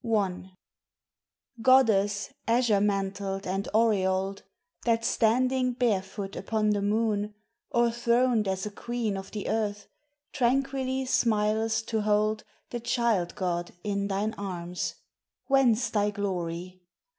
I. Goddess azure mantled and aureoled That standing barefoot upon the moon Or throned as a Queen of the earth Tranquilly smilest to hold The Child god in thine arms, Whence thy glory?